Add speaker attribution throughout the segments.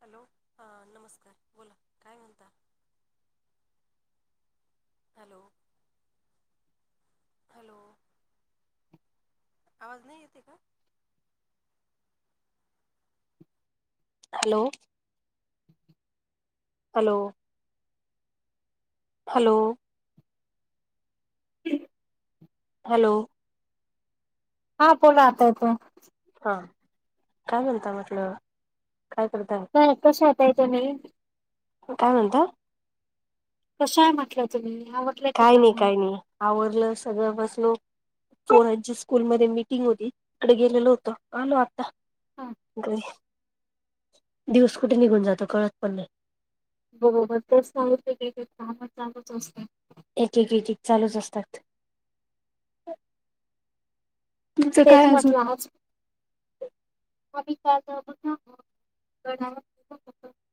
Speaker 1: Hello अ नमस्कार बोला काय म्हणता? Hello hello. आवाज नाई येतेय का? हॅलो. हॅलो. हॅलो. हॅलो.
Speaker 2: हा बोला आता येतोय.
Speaker 1: हा काय बोलताय म्हटलं? काय करताय
Speaker 2: हं कसा आहे ताई तुम्हीं?
Speaker 1: काय म्हणता?
Speaker 2: कशाय म्हटलं तुम्ही? आवरले का
Speaker 1: काय नाय
Speaker 2: काम?
Speaker 1: काय नाय आवरलं सगळं बसलो पोरांची स्कू स्कूल मध्ये मिटिंग होती. तिकडे गेलेलो होतो आलो आत्ता
Speaker 2: हा
Speaker 1: इकड़े. दिवस कुठे निघून जातो कळतं पण नाहीं.
Speaker 2: [unintelligible]
Speaker 1: एक एक एकच चालूच असतात. तुमचं काय
Speaker 2: तेच
Speaker 1: अजून
Speaker 2: म्हटलं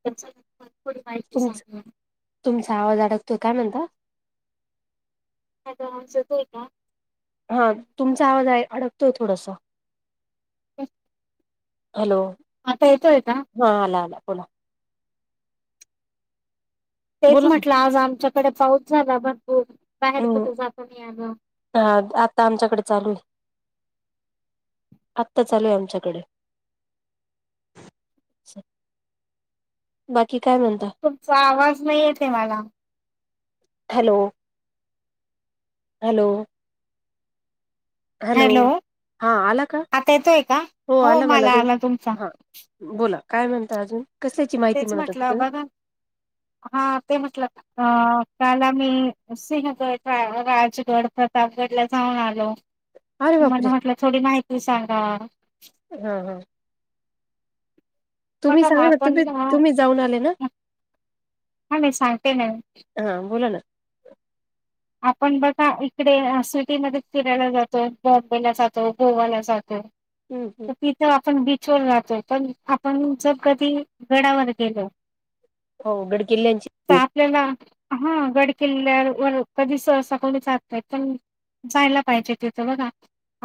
Speaker 2: [unintelligible] [unintelligible]
Speaker 1: तुमच
Speaker 2: सांगणार.
Speaker 1: तुमचा आवाज अडकतोय काय म्हणताय?
Speaker 2: [unintelligible] येतो आहे कां?
Speaker 1: हा तुमचा आवाज आय अडकतोय थोडंसं.
Speaker 2: [unintelligible]
Speaker 1: हॅलो
Speaker 2: आता येतोय का?
Speaker 1: हा आला आला बोला.
Speaker 2: तेच
Speaker 1: बोला ना
Speaker 2: म्हटलं आज आमच्याकडे पाऊस झाला भर
Speaker 1: हम्म हा आता आमच्याकडे चालूय. आत्ता चालूय आमच्याकडे. बा
Speaker 2: तुमचा आवाज नाही येथ मला
Speaker 1: हॅलो. हॅलो. हॅलो. हा आला का
Speaker 2: आता येतोय का?
Speaker 1: हो आला मला
Speaker 2: तुमचा.
Speaker 1: हा बोला. काय म्हणता अजून. कसल्याची माहिती
Speaker 2: तेच
Speaker 1: म्हणत होती
Speaker 2: म्हटलं
Speaker 1: तुम्ही
Speaker 2: बघा हा ते म्हटलं. काल आम्ही सिंहगड राजगड प्रतापगड ला जाऊन आलो.
Speaker 1: अरे बापरे
Speaker 2: म्हणून म्हटलं थोडी माहिती सांगा
Speaker 1: हा हा
Speaker 2: प
Speaker 1: तुम्ही
Speaker 2: का ना
Speaker 1: सांगा
Speaker 2: आपण
Speaker 1: तुम्ही
Speaker 2: ना
Speaker 1: तुम्ही जाऊन आले ना
Speaker 2: [unintelligible] हा मी सांगते ना
Speaker 1: हा बोला ना
Speaker 2: आपण बघा इकडे सिटीमध्ये फिरायला जातो बॉम्बेला जातो गोवाला जातो
Speaker 1: हम्म, हम्म.
Speaker 2: तर तिथ आपण बी चर राहतोय पण आपण जर कधी गडावर गेलो
Speaker 1: हो गड किल्ल्यांची
Speaker 2: तर आपल्याला हा गड किल्ल्यावर कधी सहसा कोणी चालतंय पण जायला पाहिजे तिथं बघा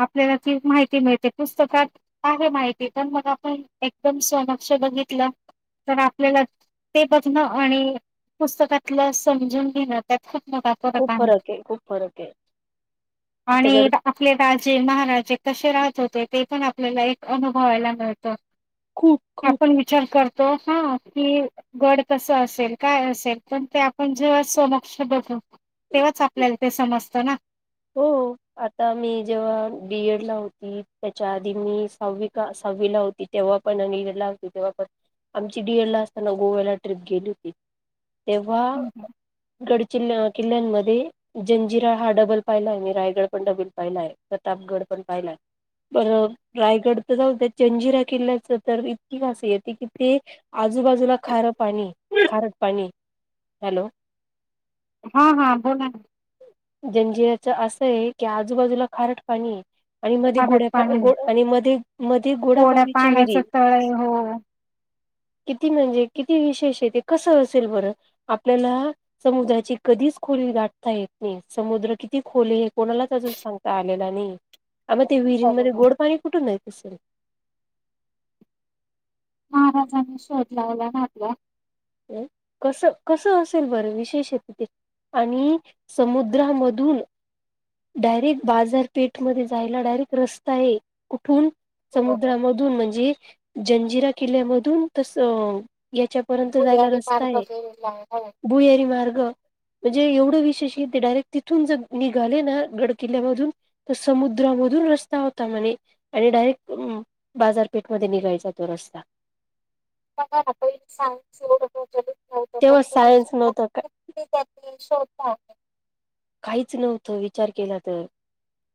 Speaker 2: आपल्याला ती माहिती मिळते पुस्तकात आहे माहिती पण मग आपण एकदम समक्ष बघितलं तर आपल्याला ते बघणं आणि पुस्तकातलं समजून घेणं त्यात खूप मोठा फरक
Speaker 1: खूप फरक आहे खूप फरक आहे तिथं गड
Speaker 2: आणि आपले राजे महाराजे कसे राहत होते ते पण आपल्याला एक अनुभवायला मिळत
Speaker 1: खूप खूप
Speaker 2: आपण विचार करतो तो हा कि गड कस असेल काय असेल पण ते आपण जेव्हा समक्ष बघू तेव्हाच आपल्याला ते समजतं ना
Speaker 1: हो आता मी जेव्हा बीएड ला होती त्याच्या आधी मी सहावी का सातवी हवी लावती तेव्हा पण आणि लावती तेव्हा पण [unintelligible] [unintelligible] आमची डीएड ला असताना गोव्याला ट्रिप गेली होती तेव्हा गडचिल्या किल्ल्यांमध्ये जंजिरा हा डबल पाहिलाय मी रायगड पण नववीत पाहिलाय प्रतापगड पण पाहिलाय बर रायगड तर जाऊ त्या जंजिरा किल्ल्याच तर इतकीस [unintelligible] येते की ते आजूबाजूला खार पाणी खार पाणी हॅलो
Speaker 2: हा हा बोला ना
Speaker 1: जंजिराच असं आहे की आजूबाजूला खारट पाणी आणि मध्ये
Speaker 2: खाऱ्यात
Speaker 1: गोड्या
Speaker 2: पाणी
Speaker 1: आणि मध्ये मध्ये
Speaker 2: कोड्या
Speaker 1: गोड्यापाडीची
Speaker 2: पाण्याच
Speaker 1: विरी [inaudible]
Speaker 2: तळ आहे हो
Speaker 1: [unintelligible] [inaudible] किती म्हणजे किती विशेष आहे ते कस असेल बर आपल्याला समुद्राची कधी खोली गाठता येत समुद्र कि [unintelligible] खोले हे कोणालाच अजून सांगता आलेला नाही आणि ते विहिरींमध्ये
Speaker 2: बरोबर
Speaker 1: गोड पाणी कुठून कसंय
Speaker 2: महाराजांनी शोध लावला ना आपल्या
Speaker 1: अ कस कस असेल बरं विशेष आहे तिथे आणि समुद्रांमधून डायरेक्ट बाजारपेठ मध्ये जायला डायरेक्ट रस्ता आहे कुठून
Speaker 2: बरोबर
Speaker 1: समुद्रामधून म्हणजे जंजिरा किल्ल्यामधून तसं याच्यापर्यंत [unintelligible] जायला
Speaker 2: भुयारी
Speaker 1: रस्ता
Speaker 2: मार्ग
Speaker 1: आहे
Speaker 2: गेलेला आहे हो
Speaker 1: भुहेरी मार्ग म्हणजे एवढं विशेष ते डायरेक्ट तिथून ज निघाले ना गडकिल्ल्यामधून तर समुद्रामधून रस्ता होता म्हणे आणि डायरेक्ट म बाजारपेठ मध्ये निघायचा तो रस्ता [unintelligible]
Speaker 2: [inaudible]
Speaker 1: तेव्हा
Speaker 2: तरी
Speaker 1: सायन्स
Speaker 2: सुद्धा
Speaker 1: नव्हतं का
Speaker 2: किती त्यांनी शोध लावले
Speaker 1: काहीच नव्हतं विचार केला तर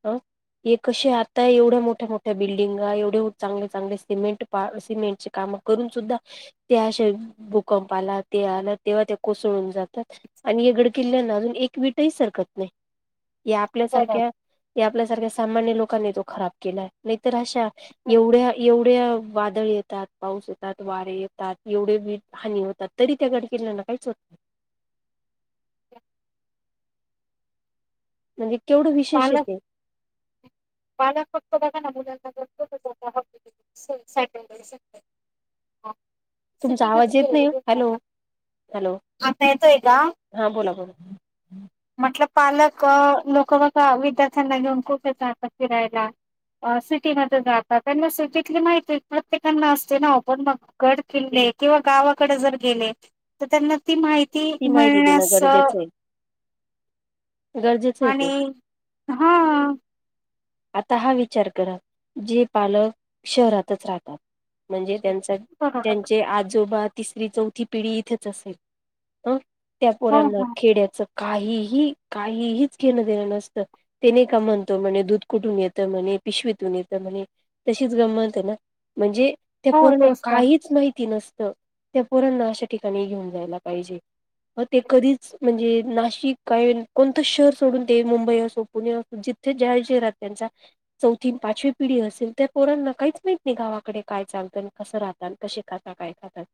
Speaker 1: अं हे कसे आता एवढ्या मोठ्या मोठ्या बिल्डिंगा एवढे चांगले चांगले सिमेंट पार सिमेंटचे काम [unintelligible] करून सुद्धा ते अशे भूकंप आला ते आला तेव्हा ते कोसळून जातात आणि गड किल्ल्याना अजून [unintelligible] काहीच हरकत नाही ते
Speaker 2: बरोबर
Speaker 1: आपल्यासारख्या ते आपल्यासारख्या सामान्य लोक लोकां तो खराब केला नाही तरर अशा एवढ्या एवढ्या वादळ येतात पाऊस येतात वारे येतात एवढे वी हानी होतात तरी त्या गड किल्याना काहीच होत [inaudible] म्हणजे केवढं विशेष ये
Speaker 2: पालक
Speaker 1: ते.
Speaker 2: पालक [inaudible]
Speaker 1: तुमचा
Speaker 2: सिटीमध्ये
Speaker 1: आवाज येत
Speaker 2: फिरायला
Speaker 1: नाही ओ
Speaker 2: घेऊन जातात.
Speaker 1: हॅलो. हॅलो
Speaker 2: आता येतोय का
Speaker 1: हा बोला बोला
Speaker 2: म्हटल. पालक लोक बघा विद्यार्थ्यांना घेऊन खूप येतात फिरायला अ सिटीमध्ये राहतात त्यांना सिटीतली माहिती प्रत्येकना असते ना पण मग गड किल्ले किंवा गावाकडं जर गेले तर त्यांना ती माहिती ती
Speaker 1: माहिती देणं
Speaker 2: मिळण्यास
Speaker 1: गरजेचं आहे गरजेचं आहे ते
Speaker 2: आणि हं.
Speaker 1: आता हा विचार करा जे पालक शहरातच राहतात. म्हणजे त्यांचा
Speaker 2: बरोबर
Speaker 1: त्यांचे आजोबात तिसरी चौथी पिढी इथेच असेल ह त्या
Speaker 2: हो
Speaker 1: पोरांना
Speaker 2: हो
Speaker 1: खेड्याच काहीही काहीहीच घेणं देणं नसतं तेने का म्हणतो [unintelligible] दूध. कुठून येत म्हणे पिशवतून येत म्हणे तशीच गमत हे ना म्हणजे त्या
Speaker 2: हो
Speaker 1: पोरांना
Speaker 2: तेच तर
Speaker 1: काहीच माहिती नसतं त्या पोरांना अशा ठिकाणी घेऊन जायला पाहिजे. ते कधीच म्हणजे नाशिक काय कोणतं शहर सोडून ते मुंबई असो पुणे असो जिथ [unintelligible] त्यांचा चौथी न पाचवी पिढी असेल त्या पोर ना काहीच माहत नाही गावाकडे काय चालतं आणि कसं राह. कशे खातात काय खातात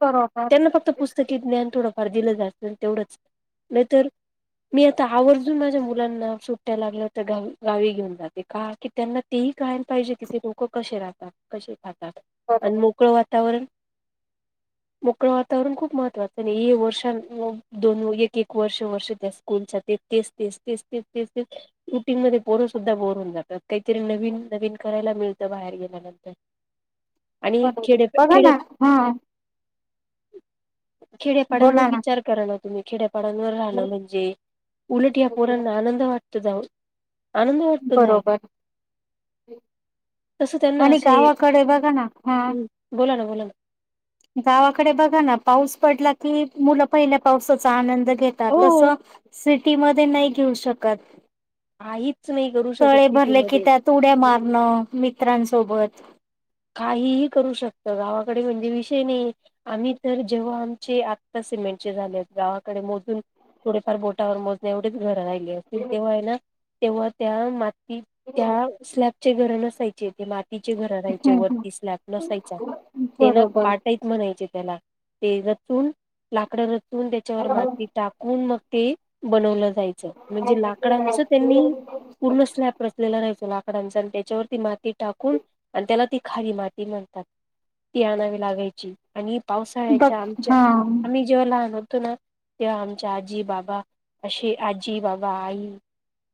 Speaker 2: बरोबर.
Speaker 1: त्यांना फक्त पुस्तकी ज्ञान थोडं. [unintelligible] तेवढंच नाहीतर मी आता आवर्जून माझ्या मुलांना सुट्टया लागल्या तर गावी गावी घेऊन जाते का की त्यांना तेही कळायला पाहिजे कि ते लोक कसे राहतात कसे? आता आण
Speaker 2: बरोबर
Speaker 1: मोकळं वातावरण मोकळ वातावरण खूप महत्त्वाचं नी वर्ष दोन एक एक वर्ष वर्ष त्या स्कूल तेच तेच तेच तेच तेच रुटिंग म पोरसुद्धा बोर होऊन जातात काहीतरी नवीन नवीन करायला मिळतं बाहेर गेल्यानंतर आणि
Speaker 2: बरोबर
Speaker 1: खेड्यात
Speaker 2: बघा
Speaker 1: खेड्यात.
Speaker 2: ना हा
Speaker 1: खेड्यापाड्यांवर
Speaker 2: बोला ना
Speaker 1: विचार करा ना तुम्ही खेड्यात [unintelligible] राहण म्हणजे उलट या पोरांना आनंद वाटत जाऊन. आनंद वाटत जायला.
Speaker 2: बरोबर
Speaker 1: तस त्यांना
Speaker 2: आणि
Speaker 1: असे
Speaker 2: गावाकडे बघा ना हा
Speaker 1: बोला ना बोला ना.
Speaker 2: गावाकडे बघा ना पाऊस पडला की मुलं पहिल्या पावसाचा आनंद घेतात तस
Speaker 1: हो
Speaker 2: सिटी मध्ये नाही घेऊ शकत.
Speaker 1: काहीच नाही करू शकत
Speaker 2: तळे भरले की
Speaker 1: सिटीमध्ये
Speaker 2: त्यात उड्या मारणं मित्रांसोबत
Speaker 1: काहीही करू शकत गावाकडे म्हणजे विषय नाही आम्ही तर जेव्हा आमचे आत्ता सिमेटचे झाले गावाकडे मोजून थोडेफार बोटावर मोजणे एवढेच घर आहेत. तेव्हा आहे तेव्हा त्या माती त्या स्लॅपचे घर नसायचे. ते मातीचे घर राहायचे
Speaker 2: हम्म, हम्म.
Speaker 1: वरती स्लॅप नसायचा ते ना
Speaker 2: बरोबर
Speaker 1: पाटयत म्हणायचे त्याला ते रचून लाकड रचून त्याच्यावर माती टाकून मग ते बनवलं जात. जायचं म्हणजे लाकडांच त्यांनी पूर्ण स्लॅप रचलेल जायचं. कडांचा त्याच्यावर माती टाकून आणि त्याला ती खाली माती म्हणतात ती आणावी लागायची आणि
Speaker 2: बघ
Speaker 1: पावसाळ्याच्या आमच्या
Speaker 2: हा
Speaker 1: आम्ही जेव्हा लहान होतो. तुन ते आमच्या आजी बाबा अशी आजी बाबा आई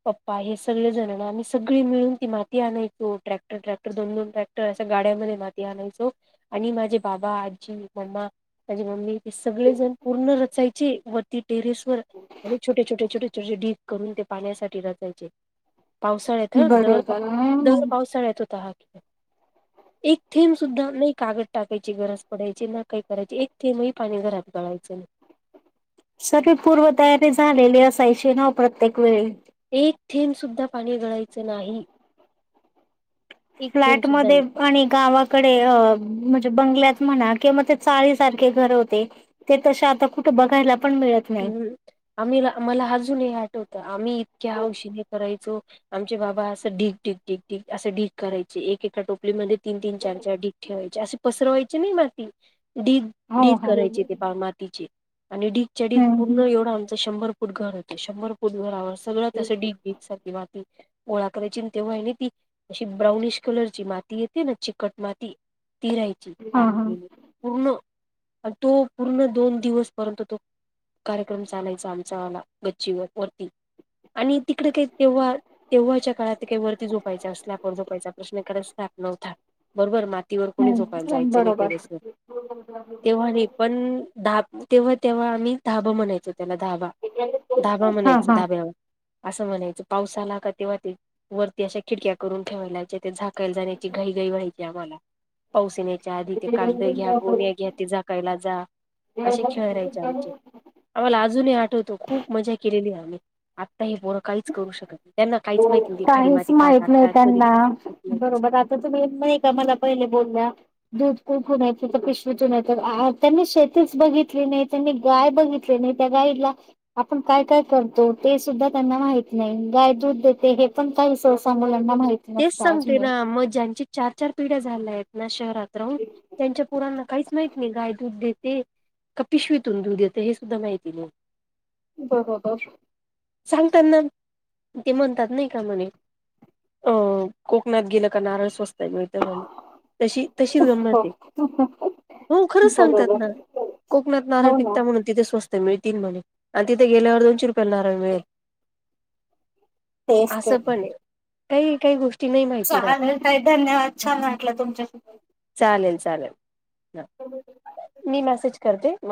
Speaker 1: पप्पा हे सगळ जण ना आम्ही सगळी मिळून ती माती आणायचो ट्रॅक्टर ट्रॅक्टर दोन दोन ट्रॅक्टर अस गाड्यामध्ये माती आणायचो आणि माझे बाबा आजी मम्मा त्याझ मम्मी सगळेजण पूर्ण रचायची वरती टेरेस वर म्हण छोटे छोटे छोटे छोटे ढिग करून ते पाण्यासाठी रचायचे. पावसाळ्यात हं
Speaker 2: बरोबर
Speaker 1: दर पावसाळ्यात होतो हात. [inaudible] एक थेंब सुद्धा नाही कागद टाकायची गरज पडायची ना काही करायची एक थेंबही पाणी घरात गळायचे
Speaker 2: सगळी पूर्वतयाने झालेली असायची नाव प्रत्येक वेळी
Speaker 1: एक थेंब सुुद्धा पाणी गळायचं नाही एक थेंब सुद्धा
Speaker 2: फ्लॅटमध्ये
Speaker 1: नाही.
Speaker 2: आणि गावाकडे अ म्हणजे बंगल्यात म्हणा चाळी सारखे घरे होते ते आता कुठे बघायला पण मिळत नाही
Speaker 1: हम्म आम्ही मला अजूनही आठवतं आम्ही इतक्या हावशीने करायचो आमचे बाबा असं ढिग ढिग ढिग ढिग असं ढिग करायचे एक एका टोपलीमध्ये तीन तीन चार चार ढिग ठेवायचे असे पसरवायचे नाही माती ढिग
Speaker 2: हो
Speaker 1: ढिग
Speaker 2: हो हम्म
Speaker 1: करायचे ते पा मातीचे आणि डीगच्या डीग
Speaker 2: हम्म
Speaker 1: तेवढं आमचं शंभर फूट घर होत शंभर फुट घरावर सगळं तसं ढिग बीक सारख वाह गोळा करायचे तेव्हा नाही ती अशी ब्राउनिश कलरची माती येते ना चिकट माती ति राहायची
Speaker 2: हा हा
Speaker 1: टाकदीली पूर्ण आणि तो पूर्ण दोन दिवस पर्यंत तो कार्यक्रम चालायचा आमचाला गच्ची वर वरती आणि तिकडे काही तेव्हा तेव्हाच्या काळात काही वरती झोपायच असल्या आपण झोपायचा प्रश्न कारण स्लॅप गवतात बरोबर मातीवर कोणी झोपायला
Speaker 2: हम्म
Speaker 1: जायच नाही
Speaker 2: बरोबर
Speaker 1: टेरेस वर तेव्हा नाही पण दहा तेव्हा तेव्हा आम्ही धाबा म्हणायचो त्याला धाबा धाबा म्हणायच
Speaker 2: हा
Speaker 1: धाब्यावर असं म्हणायचं पावसाला का तेव्हा ते वरती अशा खिडक्या करून ठेवायला लायच्या त्या झाकायला जाण्याची काही घाई थंडी व्हायची आम्हाला पाऊस त्याच आधी ते कागद घ्या गोन घ्या ते झाकायला जा असे खेळ राहायचे
Speaker 2: हा
Speaker 1: आमचे आम्हाला अजूनही आठवतो खूप मज्जा केलेली आहे आम्ही आता हे पोरं काहीच करू शकत नाही त्यांना काहीच
Speaker 2: हो
Speaker 1: माहित नाही ते खारी
Speaker 2: काहीच
Speaker 1: माती का
Speaker 2: माहित नाही
Speaker 1: टाकतात कधी
Speaker 2: त्यांना
Speaker 1: टाकतात काहीच माहित नाही.
Speaker 2: बरोबर आता तुम्ही नाही का मला पहिले बोल ूपू खूप [unintelligible] तिथ पिशवीत तुन त्यांनी शेतीच बघितली नाही त्यांनी गाय बघितली नाही त्या गाईला आपण काय काय करतो ते सुद्धा त्यांना माहित नाही गाय दूध देते हे पण काही सहसा मुलांना माहित
Speaker 1: तेच
Speaker 2: नसतं
Speaker 1: सांगते
Speaker 2: अजूनही
Speaker 1: ना मग ज्यांची चार चार पिढ्या झाल्या आहेत ना शहरात राहुन त्यांच्या पोरांना काहीच माहित मग गाय दूध देते का पिशवीतून दूध देते हे सुद्धा माहिती नाही
Speaker 2: बरोबर
Speaker 1: सांगताना ते म्हणतात नाही का म्हणे अं कोकणात गेलं का नारळ स्वस्त आहे मिळतं म्हणे तशी तशीच
Speaker 2: हो
Speaker 1: गमंत हो खरंच सांगतात
Speaker 2: बरोबर
Speaker 1: ना कोकणात नारळ
Speaker 2: हो ना
Speaker 1: पित्ता म्हणून तिथे स्वस्त मिळतील म्हणे आणि तिथे गेल्यावर दोनशे रुपयला नाराळ मिळेल
Speaker 2: तेच तर
Speaker 1: असं पण आहे काही काही गोष्टी नाही माहिती राहत
Speaker 2: चालेल ताई धन्यवाद छान वाटलं तुमच्यासाठी
Speaker 1: चालेल चालेल मी मेसेज करते मग.